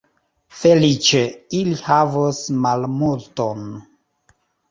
Feliĉe, ili havos malmulton.